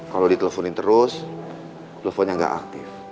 kalau diteleponin terus teleponnya nggak aktif